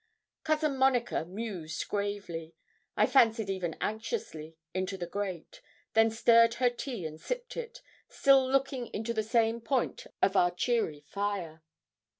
Cousin Monica mused gravely, I fancied even anxiously, into the grate; then stirred her tea and sipped it, still looking into the same point of our cheery fire.